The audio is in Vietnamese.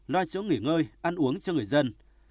loa chỗ nghỉ ngơi ăn uống cho người dân